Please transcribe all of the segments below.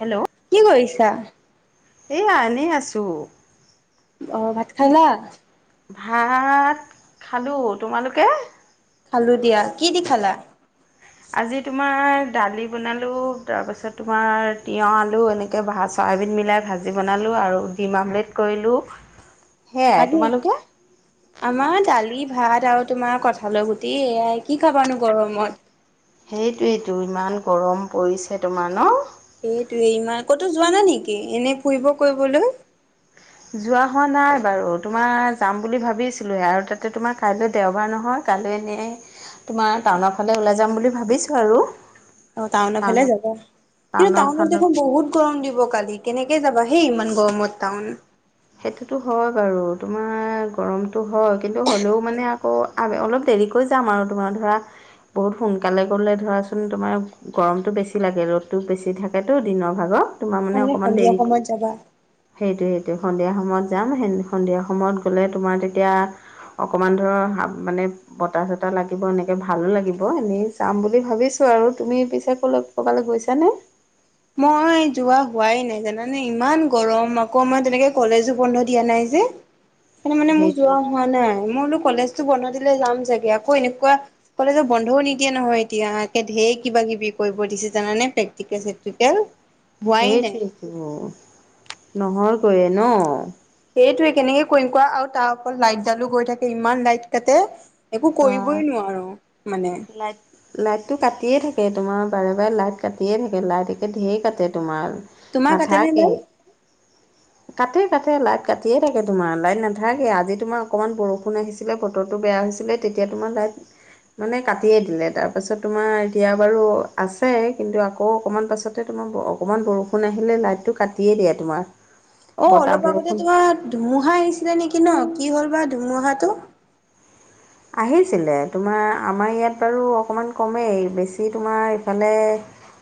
Hello. কি কৰিছা? এইয়া এনে আছো। অ' ভাত খালা। ভাত খালো তোমালোকে? খালো দিয়া কি দি খালা। আজি তোমাৰ দালি বনালোঁ তাৰপাছত তোমাৰ তিয়হ আলু এনেক নেক চয়াবিন মিলাই ভাজি বনালোঁ আৰু ডিম আমলেট কৰিলোঁ। সেয়াই আজি তোমালোকে। আমাৰ দালি ভাত আৰু তোমাৰ কঠালৰ গুটি এয়াই কি খাবানো গৰমত। সেইটোৱেইটো ইমান গৰম পৰিছে তোমাৰ ন। সেইটোয়ে ইমান ক'তো যোৱা নাই নেকি এনে ফুৰিব কৰিবলৈ যোৱা হোৱা নাই বাৰু তোমাৰ যাম বুলি ভাবিছিলো আৰু তাতে তোমাৰ কাইলৈ দেওবাৰ নহয়। কালি এনেই তোমাৰ টাউনৰ ফালে ওলাই যাম বুলি ভাবিছোঁ আৰু। অ' টাউনৰ ফালে যাবা কিন্তু টাউনৰ টাউনত ফালে দেখোন বহুত গৰম দিব কালি কেনেকে যাবা হেই ইমান গৰমত টাউন। সেইটোতো হয় বাৰু তোমাৰ গৰমটো হয় কিন্তু হ'লেও মানে আকৌ অলপ দেৰিকৈ যাম আৰু তোমাৰ ধৰা। বহুত সোনকালে গ'লে ধৰাচোন তোমাৰ গৰমটো বেছি লাগে ৰ'দটো বেছি থাকেতো দিনৰ ভাগত। তোমাৰ অ মানে অকমান সন্ধিয়া দেৰিকো সময়ত যাবা। সেইটো সেইটো সন্ধিয়া সময়ত যাম স সন্ধিয়া সময়ত গ'লে তোমাৰ তেতিয়া অকমান ধৰ আগমানে। বতাহ চতাহ লাগিব, এনেকে ভালো লাগিব, এনেই যাম বুলি ভাবিছোঁ আৰু তুমি পিছে কলৈ ক'বালৈ গৈছানে? মই যোৱা হোৱাই নাই জানানে। ইমান গৰম আকৌ মই তেনেকে কলেজো বন্ধ দিয়া নাই যে। [inaudible] সেইকাৰনে মানে মোৰ সেইটো যোৱা হোৱা নাই, মোৰ বোলো কলেজতো বন্ধ দিলে যাম চাগে, আকৌ এনেকুৱা। কলেজৰ বন্ধও নিদিয়ে নহয় এতিয়া, ধেৰ কিবা কিবি কৰিব দিছে জানানে প্ৰেক্টিকেল চেক তেতিয়া, সেইটোৱেইটো, নহয় গৈয়ে ন। সেইটোৱে কেনেকে কৰিম কোৱা আৰু তাৰ ওপৰত লাইট ডালো গৈ থাকে, ইমান লাইট কাটে। একো বা কৰিবই নোৱাৰো মানে। লাইট লাইটটো কাটিয়ে থাকে, তোমাৰ বাৰে বাৰে লাইট কাটিয়ে থাকে। লাইট একে ঢেৰ কাটে তোমাৰ। তোমাৰ কাটেনে নাথাকেই। লাইট কাটে কাটে লাইট কাটিয়ে থাকে তোমাৰ, লাইট নাথাকেই। আজি তোমাৰ অকমান বৰষুণ আহিছে ছিলে, বতৰটো বেয়া হৈছিলে, তেতিয়া তোমাৰ লাইট মানে কাটিয়ে দিলে। তাৰপাছত তোমাৰ এতিয়া বাৰু আছে, কিন্তু আকৌ অকণমান পাছতে তোমাৰ বৰ অক অকণমান বৰষুণ আহিলে, লাইটটো কাটিয়ে দিয়ে তোমাৰ। অ', বতাহ অলপ আগতে বৰষুণ তোমাৰ ধুমুহা আহিছিলে নেকি ন? কি হ'ল বা ধুমুহাটো! আহিছিলে, তোমাৰ আমাৰ ইয়াত বাৰু অকণমান কমেই, বেছি তোমাৰ ইফালে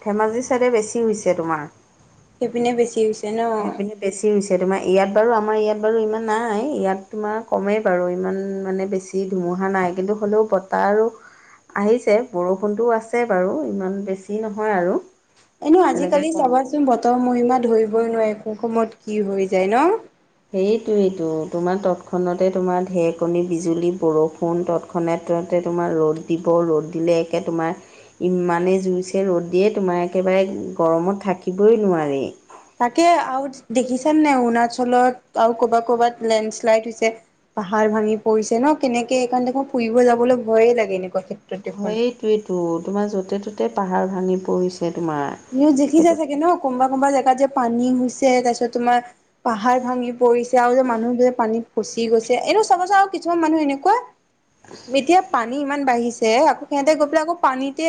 ধেমাজি ছাইডে বেছি হৈছে তোমাৰ। সেইপিনে বেছি হৈছে। ন সেইপিনে বেছি হৈছে তোমাৰ, ইয়াত বাৰু আমাৰ ইয়াত বাৰু ইমান নাই। ইয়াত তোমাৰ কমেই বাৰু ইমান মানে বেছি বেছি ধুমুহা নাই কিন্তু হ'লেও বতাহ আৰু আহিছে, বৰষুণটো আছে বাৰু ইমান বেছি নহয় আৰু এনেও তেনেকৈ আজিকালি কওঁ চাবাচোন বতৰ মহিমা ধৰিবই নোৱাৰি, কোন সময়ত কি হৈ যায় ন? সেইটোৱেইতো তোমাৰ তৎক্ষণাতে তোমাৰ ঢেৰেকণী, বিজুলী, বৰষুণ তৎক্ষ খনাতে তোমাৰ ৰ'দ দিব, ৰ'দ দিলে একে তোমাৰ ইমানে জুইছে ৰ'দ দিয়ে, তোমাৰ একেবাৰে গৰমত থাকিবই নোৱাৰি। তাকে আৰু দেখিছানে নাই? অৰুণাচলত, আৰু কৰ'বাত, কৰ'বাত লেণ্ডশ্লাইড হৈছে। পাহাৰ ভাঙি পৰিছে ন কেনেকে, এইকাৰণে দেখোন ফুৰিব যাবলৈ ভয়ে লাগে এনেকুৱাকে। সেইটোয়েইটো, তোমাৰ যতে-ত'তে পাহাৰ ভাঙি পৰিছে তোমাৰ। নিউজ সেইটো দেখিছাই চাগে ন? কোনোবা কোনোবা জেগাত যে পানী হৈছে, তাৰপিছত তোমাৰ পাহাৰ ভাঙি পৰিছে আৰু যে মানুহ যে পানীত ফচি গৈছে। এনেও চাবাচোন আৰু কিছুমান মানুহ এনেকুৱা এতিয়া পানী ইমান বাঢ়িছে, আকৌ সিহঁতে গৈ পেলাই আকৌ পানীতে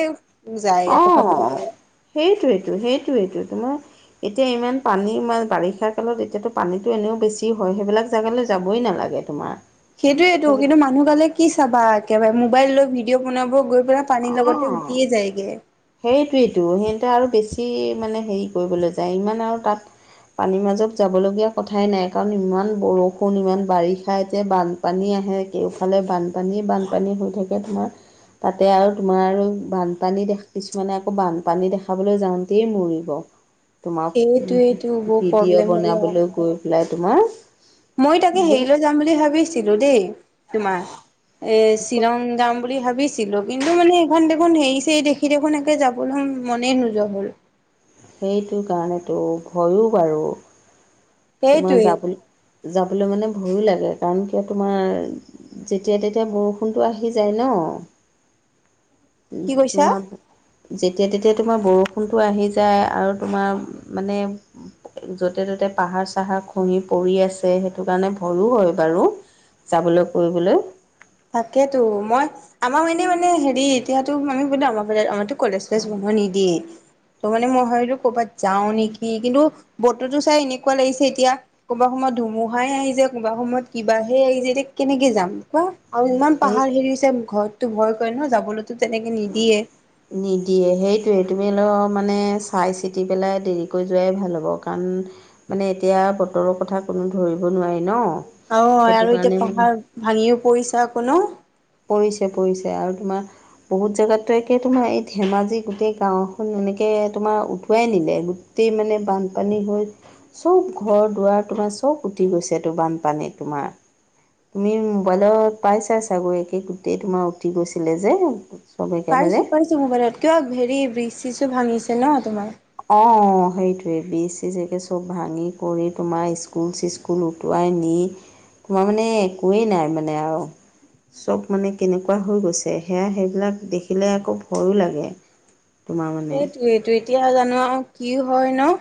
যায় আকৌ অ', সাঁতুৰিবলৈ। সেইটোৱেইটো, সেইটোৱেইটো। তোমাৰ এতিয়া ইমান পানী মা বাৰিষা কালত এতিয়াতো পানীটো এনেও বেছি হয়। সেইবিলাক জেগালৈ যাবই নালাগে। তোমাৰ। সেইটোয়েতো সেইবি কিন্তু মানুহগালে কি চাবা? একেবাৰে মোবাইল লৈ ভিডিঅ' বনাব গৈ পেলাই পানীৰ অ'। লগতে উটিয়ে যায়গে। সেইটোৱেইটো, সিহঁতে আৰু বেছি মানে হেৰি কৰিবলৈ যায়। ইমান আৰু তাত পানীৰ মাজত যাবলগীয়া কথাই নাই, কাৰণ ইমান বৰষুণ, ইমান বাৰিষা, এতিয়া বান পানী আহে, কেওফালে বানপানী-বানপানী হৈ থাকে তোমাৰ। তাতে আৰু তোমাৰ আৰু বানপানী দেখি, কিছুমানে আকৌ বানপানী দেখাবলৈ যাওঁতেই মৰিব। তোমাৰ সেইটোৱেইটো বৰ ভিডিঅ' প্ৰব্লেম দিয়া। বনাবলৈ গৈ পেলাই তোমাৰ। মই তাকে হেৰিলৈ যাম বুলি ভাবিছিলোঁ দেই, তোমাৰ। এ বহুত শ্বিলং যাম বুলি ভাবিছোঁ। ছিলো কিন্তু, মানে সেইখন দেখোন হেৰি-চেৰি দেখি দেখোন একে যাবলৈ মনেই নোযোৱা হ'ল। সেইটো কাৰণেতো, ভয়ো বাৰু। তোমাৰ সেইটোৱে যাবলৈ যাবলৈ মানে ভয়ো লাগে কাৰণ কিয় তোমাৰ যেতিয়া তেতিয়া বৰষুণটো আহি যায় ন? কি কৈছা? তোমাৰ যেতিয়া তেতিয়া তোমাৰ বৰষুণটো আহি যায়, আৰু তোমাৰ মানে য'তে ততে পাহাৰ চাহাৰ খহি পৰি আছে। সেইটো কাৰণে ভয়ো হয় বাৰু, যাবলৈ কৰিবলৈ। তাকেতো মই আমাৰ মেনেই মানে হেৰি, এতিয়াতো আমি বোলো, আমাৰ বোলে আমাৰতো কলেজ চলেজ বন্ধ নিদিয়েই। ত' মানে মই ভাবিলো কৰবাত যাও নেকি? কিন্তু, বততো চাই এনেকুৱা লাগিছে এতিয়া কোনোবা সময়ত ধুমুহাই আহিযায়, কোনোবা সময়ত কিবাহে আহি যায়। এতিয়া কেনেকে যাম কোৱা? আৰু ইমান সেই পাহাৰ হেৰি হৈছে, ঘৰততো ভয় কৰে ন? যাবলৈতো তেনেকে নিদিয়ে। নিদিয়ে সেইটোৱে, তুমি অলপ মানে চাই চিতি পেলাই দেৰিকৈ যোৱাই ভাল হ'ব। কাৰণ, মানে এতিয়া বতৰৰ কথা কোনো ধৰিব নোৱাৰি ন? অ সেইটো আৰু এতিয়া কাৰণে মানে পাহাৰ ভাঙিও পৰিছে আকৌ ন? পৰিছে পৰিছে আৰু তোমাৰ বহুত জেগাত একে তোমাৰ এই ধেমাজি গোটেই গাঁওখন এনেকৈ তোমাৰ উটুৱাই নিলে তাতেই মানে বানপানী হ'ল। চব ঘৰ দুৱাৰ তোমাৰ চব উটি গৈছে টো বানপানীত তোমাৰ। তুমি মোবাইলত পাইছা চাগৈ একে গোটেই তোমাৰ উঠি গৈছিলে যে। চব একেবাৰে পাইছো পাইছো মোবাইলত কিয় হেৰি ব্ৰিজ-চিজো ভাঙিছে ন তোমাৰ। অ', সেইটোয়ে ব্ৰিজ- চিজ চব ভাঙি কৰি তোমাৰ স্কুল চি স্কুল উটুৱাই নি তোমাৰ মানে একোৱেই নাই মানে আৰু। চব মানে কেনেকুৱা হৈ গৈছে সেয়া সেইবিলাক দেখিলে আকৌ ভয়ো লাগে। তোমাৰ মানে সেইটোৱেই টো এতিয়া জানো আৰু কি হয় ন?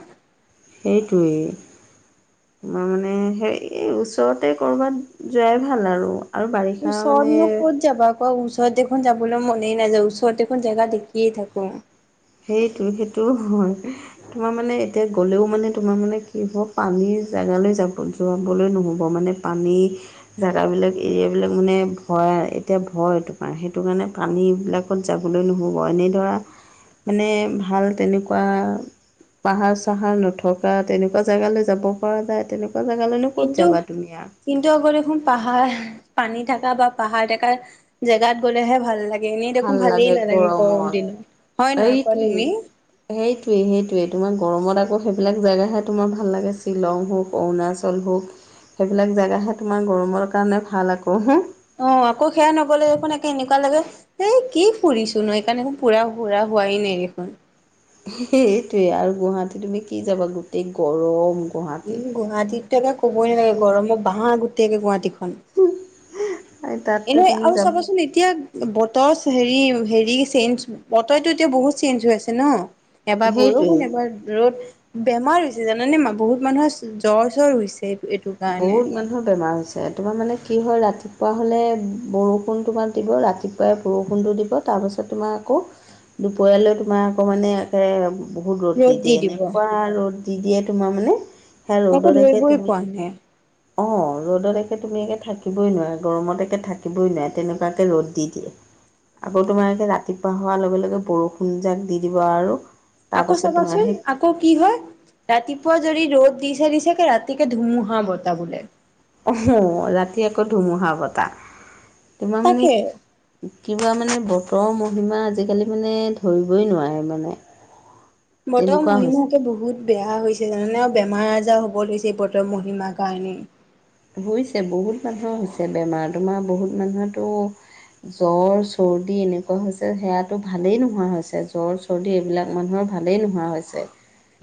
সেইটোৱেই ম‌ই মানে সেই ওচৰতে ক'ৰবাত যোৱাই ভাল আৰু। আৰু বাৰিষা উচৰত মানে নো কত যাবা কোৱা উ [unintelligible] দেখোন যাবলৈ মনেই নাযায় ওচৰত এখন জেগা দেখিয়ে থাকো। সেইটো সেইটো হয়। তোমাৰ মানে এতিয়া গ'লেও মানে তোমাৰ মানে কি হ'ব পানীৰ জেগালৈ যাব যোৱাবলৈ নহ'ব মানে পানী জেগাবিলাক এৰিয়াবিলাক মানে ভয় এতিয়া ভয় এইটো কাৰণে সেইটো কাৰণে পানীবিলাক। ক'ত যাবলৈ নহ'ব এনেই ধৰা মানে ভাল তেনেকুৱা পাহাৰ চাহাৰ নথকা তেনেকুৱা জেগালৈ যাব পৰা যায় তেনেকুৱা ক জেগালৈনো ক'ত কিন্তু যাবা তুমি আৰু কিন্তু আকৌ দেখোন পাহাৰ পানী থকা বা পাহাৰ থকা জেগাত গ'লেহে ভাল লাগে। এনেই ভাল দেখোন ভালেই লাগে নালাগে গৰম গৰমত দিনত হয় নহয় কোৱা তুমি। সেইটোৱেই সেইটোৱেই তোমাৰ গৰমত আকৌ সেইবিলাক জেগাহে তোমাৰ ভাল লাগে শ্বিলং হওক অৰুণাচল হওক। সেইবিলাক জেগাহে তোমাৰ গৰমৰ কাৰণে ভাল আকৌ। অ', আকৌ সেয়া নগলে দেখোন এনেকুৱা লাগে এই কি ফুৰিছো ন সেইকাৰণে এইকাৰণে মোৰ পুৰা ফুৰা হোৱাই নাই দেখোন। সেইটোৱে আৰু গুৱাহাটী তুমি কি যাবা গোটেই গৰম। উম গুৱাহাটীত গুৱাহাটীতো ক'বই নালাগে গৰমৰ বাঁহ গোটেই গুৱাহাটীখন। তাততো এনেই তুমি আৰু চাবচোন যাবা এতিয়া বতৰ হেৰি হেৰি চেঞ্জ বতৰতটো এতিয়া বহুত চেঞ্জ হৈ আছে ন। এবাৰ বৰষুণ সেইটোৱে এবাৰ ৰ'দ। বেমাৰ হৈছে জানানে বহুত মানুহৰ জ্বৰ জ্বৰ হৈছে এইটো কাৰণে বহুত মানে বেমাৰ হৈছে তোমাৰ মানে কি হয় ৰাতিপুৱা হ'লে বৰষুণ তোমাৰ দিব ৰাতি বৰষুণটো দিব তাৰপিছত তোমাৰ আকৌ দুপৰীয়ালৈ তোমাৰ আকৌ মানে বহুত ৰ'দ দি দিয়ে এনেকুৱা ৰ'দ দি দিয়ে তোমাৰ মানে সেয়া আকৌ ৰ'দকে তুমি [unintelligible] অ, ৰ'দত একে তুমি একে থাকিবই নোৱাৰা গৰমত একে থাকিবই নোৱাৰে তেনেকুৱাকে ৰ'দ দি দিয়ে। আকৌ তোমাৰ ৰাতিপুৱা হোৱাৰ লগে লগে বৰষুণ যাক দি দিব আৰু। আকৌ তাৰপাছত তোমাৰ চাবাচোন সেই আ আকৌ কি হয় ৰাতিপুৱা যদি ৰ'দ দিছে দিছে গে ৰাতিকে ধুমুহা বতাহ বোলে। অহ ৰাতি আকৌ ধুমুহা বতাহ তোমাৰ মানে তাকে কিবা মানে বতৰৰ মহিমা আজিকালি মানে ধৰিবই নোৱাৰে মানে। [inaudible] বৰতৰ মহিমা হৈছে বহুত বেয়া হৈছে জানানে আৰু বেমাৰ আজাৰ হ'ব ধৰিছে এই বতৰ মহিমাৰ কাৰণে। হৈছে বহুত মানুহৰ হৈছে বেমাৰ তোমাৰ বহুত মানুহৰটো জ্বৰ চৰ্দি এনেকুৱা হৈছে সেয়াটো ভালেই নোহোৱা হৈছে জ্বৰ চৰ্দি এইবিলাক মানুহৰ ভালেই নোহোৱা হৈছে।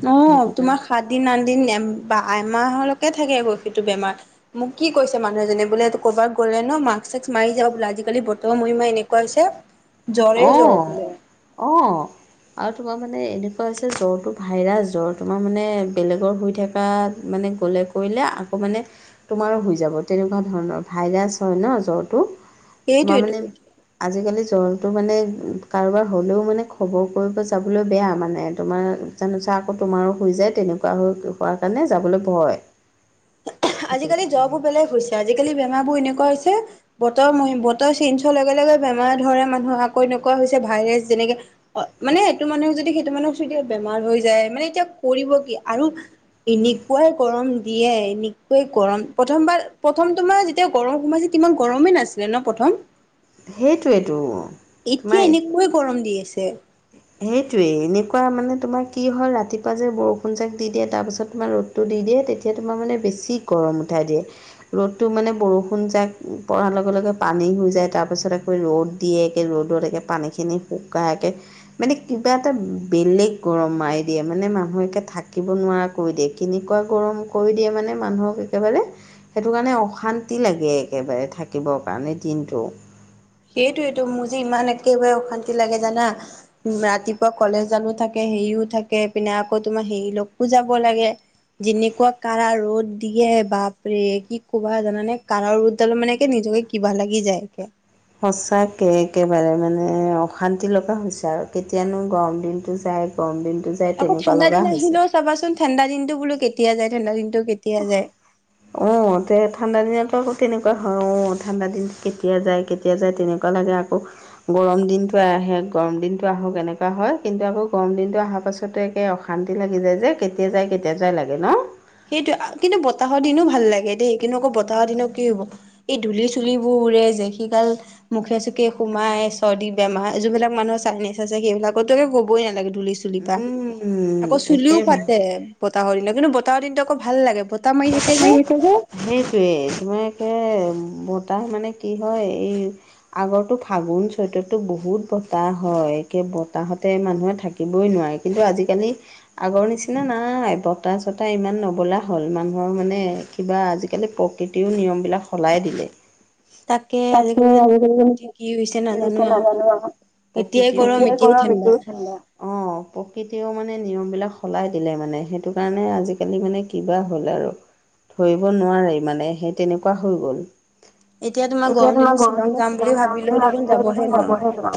অ, সেইটো তোমাৰ কাৰণে সাত দিন আঠ দিন এমাহলৈকে থাকে আকৌ সেইটো বেমাৰ। মোক কি কৈছে মানুহজনে বোলে এই ক'ৰবাত গ'লে ন মাক্ক চাচ মাৰি যাবা বোলে আজিকালি বতৰ মৰিমা এনেকুৱা হৈছে। জ্বৰে জ্বৰ অহ, বোলে অহ, আৰু তোমাৰ মানে এনেকুৱা হৈছে জ্বৰটো ভাইৰাছ জ্বৰ তোমাৰ মানে বেলেগৰ হৈ থাকে মানে গ'লে কৰিলে আকৌ মানে তোমাৰো হৈ যাব তেনেকুৱা ধৰণৰ ভাইৰাছ হয় ন জ্বৰটো। তোমাৰ মানে সেইটোৱেটো। আজিকালি জ্বৰ তো মানে কাৰোবাৰ হ'লেও মানে খবৰ কৰিব যাবলৈ বেয়া মানে তোমাৰ জানোচা আকৌ তোমাৰো হৈ যায় তেনেকুৱা হৈ হোৱাৰ কাৰণে যাবলৈ ভয়। সেইটো আজিকালি জ্বৰ কাৰণে বোৰ বেলেগ হৈছে আজিকালি বেমাৰ বোৰ এনেকুৱা হৈছে, বতৰ বতৰ চেঞ্চ হোৱা লগে লগে বেমাৰ ধৰে মানুহৰ আকৌ এনেকুৱা হৈছে ভাইৰাছ যেনেকে, মানে সেইটো মানুহে যদি সেইটো মানুহক চুই দিয়ে যদি বেমাৰ হৈ যায় মানে এতিয়া কৰিব কি আৰু এনেকুৱাই গৰম দিয়ে এনে সেই গৰম প্ৰথমবাৰ প্ৰথম তোমাৰ যেতিয়া গৰম সোমাইছিলে কিমান গৰমেই নাছিলে ন প্ৰথম? সেইটোৱেতো এতিয়া এনেকৈয় গৰম দি আছে। সেইটোৱে এনেকুৱা মানে তোমাৰ কি হয় ৰাতিপুৱা যে বৰষুণ জাক দি দিয়ে তাৰপিছত তোমাৰ ৰ'দ টো দি দিয়ে তেতিয়া তোমাৰ মানে বেছি গৰম উঠাই দিয়ে। ৰ'দটো মানে বৰষুণ যাক পৰাৰ লগে লগে পানী হৈ যায় তাৰপিছত আকৌ ৰ'দ দিয়কে ৰ'দত একেবাৰে পানীখিনি শুকাই একে মানে কিবা এটা বেলেগ গৰম মাৰি দিয়ে মানে মানুহে একে থাকিব নোৱাৰা কৰি দিয়ে কেনেকুৱা গৰম কৰি দিয়ে মানে মানুহক একেবাৰে, সেইটো কাৰণে অশান্তি লাগে একেবাৰে থাকিবৰ কাৰণে দিনটো। সেইটোৱেটো মোৰ যে ইমান একেবাৰে অশান্তি লাগে জানা? ৰাতিপুৱা কলেজ জানো থাকে হেৰিও থাকে এপিনে আকৌ তোমাৰ হেৰি লগো যাব লাগে। যেনেকুৱা কাৰা ৰ'দ দিয়ে বাপৰে কি ক'বা জানে কাৰা ৰ'দডালে মানে কি নিজকে কিবা লাগি যায় একে। সঁচাকে একেবাৰে মানে অশান্তি লগা হৈছে আৰু কেতিয়ানো গৰম দিনটো যাই, গৰম দিনটো যায় আকৌ তেনেকুৱা ঠাণ্ডা লগা দিন হৈছে আহিলেও চাবাচোন ঠাণ্ডা দিনটো বোলো কেতিয়া যায় ঠাণ্ডা দিনটো কেতিয়া যায়। অ, তে ঠাণ্ডা দিনতো আকৌ তেনেকুৱা হয় অ, ঠাণ্ডা দিন কেতিয়া যায় কেতিয়া যায় তেনেকুৱা লাগে আকৌ, গৰম দিনটো আহে গৰম দিনটো আহক এনেকুৱা হয় কিন্তু আকৌ গৰম দিনটো অহাৰ পাছত একে অশান্তি লাগি যায় যে কেতিয়া যায় কেতিয়া যায় লাগে ন? সেইটো কিন্তু বতাহৰ দিনো ভাল লাগে দেই কিন্তু আকৌ বতাহৰ দিনত কি হ'ব এই ধূলি চুলিবোৰ উৰে যে সেইগাল মুখে চুকে সোমাই চৰ্দি বেমাৰ যোন বিলাক মানুহ চাইনাজ আছে সেইবিলাকতো ক'বই নালাগে ধূলি চুলি কিবা উম আকৌ চুলিও একেবাৰে ফাতে, বতাহৰ দিনত কিন্তু বতাহৰ দিনতটো আকৌ ভাল লাগে। বতাহ মাৰি আছে যে। সেইটোৱে। তোমাৰ একে বতাহ মানে কি হয় এই আগত ফাগুন চ'তত বহুত বতাহ হয়, একে বতাহতে মানুহে থাকি বই নোৱাৰে কিন্তু আজিকালি আগৰ নিচিনা নাই, বতাহ চতাহ ইমান নবলা হ'ল। মানে কিবা আজিকালি প্ৰকৃতিও নিয়মবিলাক সলাই দিলে। তাকে জানো আজিকালি প্ৰকৃতি কি হৈছে নাজানো আৰু নাজানে আক এতিয়াই প্ৰকৃতি [unintelligible] গৰম এতিয়াই ঠাণ্ডা অ' প্ৰকৃতিও মানে নিয়মবিলাক সলাই দিলে মানে, সেইটো কাৰণে আজিকালি মানে কিবা হ'লে আৰু। ধৰিব নোৱাৰে মানে সেই তেনেকুৱা হৈ গ'ল। এতিয়া তোমাৰ গৰম দিনত ক'ৰবাত যাম বুলি ভাবিলে তোমাৰ মন নবঢ়ে দেখোন।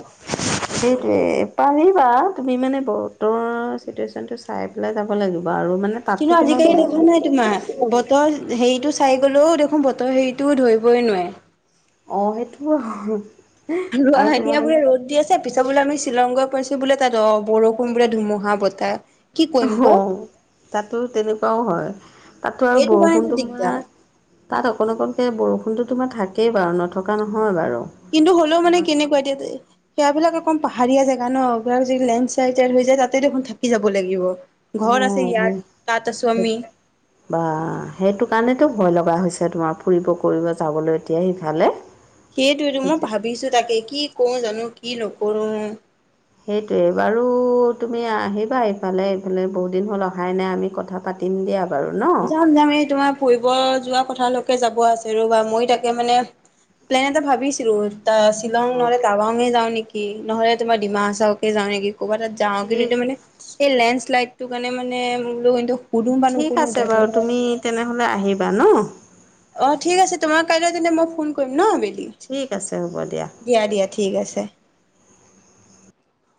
সেইটোৱে, পাৰিবা তুমি মানে বতৰ চিটুৱেশ্যনটো চাই পেলাই যাব লাগিব আৰু মানে তাততো কিন্তু তোমাৰ আজিকালি বৰষুণ দেখা নাই তোমাৰ বতৰ হেৰিটো চাই গলেও দেখোন বতৰ হেৰিটো ধৰিবই নোৱাৰে। অ' সেইটোওঁ হয়। ৰোৱা এতিয়া বোলে ৰ'দ দি আছে। পিছত বোলে আমি শ্বিলংগৈ পাইছো বোলে তাত অ' বৰষুণ বোলে ধুমুহা বতাহ। কি কৰিম ক অ' তাতো তেনেকুৱাও হয়, তাতো আৰু এইটো কাৰণেতো বৰষুণটো দিগদাৰ তোমাৰ তাত অকণ অকণকৈ বৰষুণটো তোমাৰ থাকেই বাৰু নথকা নহয় বাৰু। কিন্তু হ'লেও মানে কেনেকুৱা এতিয়া সেয়াবিলাক একম পাহাৰীয়া জেগা ন' এইবিলাক যদি লেণ্ড্লাইডাই হৈ যায়, তাতে দেখোন থাকি যাব লাগিব। অ ঘৰ আছে ইয়াত, তাত আছোঁ সেই আমি। বা, সেইটো কাৰণেতো ভয় লগা হৈছে তোমাৰ ফুৰিব কৰিব যাবলৈ এতিয়া সিফালে। সেইটোৱেটো মই ভাবিছোঁ তাকে কি কো জানো, কি নকৰো। সেইটোৱে, বাৰু তুমি আহিবা ইফালে এইফালে বহুত দিন হ'ল অহাই নাই, আমি কথা পাতিম দিয়া। বাৰু ন যাম যাম। এই তোমাৰ ফুৰিব যোৱা কথালৈকে যাব আছে ৰ'বা মই তাকে মানে প্লেন এটা ভাবিছিলো ত শ্বিলং অ নহ'লে টাৱাং য়ে যাও‌ নেকি, নহ'লে তোমাৰ ডিমাহাছাওকে যাওঁ নেকি ক'ৰবাত তাত। যাও ঠিক বুলিটো মানে লেন্ডচ্লাইদটো মানে ঠিক নুসুধো আছে যাব বাৰু তুমি তেনেহ'লে আহিবা ন'? অ' ঠিক আছে, তোমাৰ কাইলৈ তেন্তে মই ফোন কৰিম ন' আবেলি? ঠিক আছে হ'ব দিয়া। দিয়া দিয়া ঠিক আছে।